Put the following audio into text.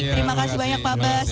terima kasih banyak pak bas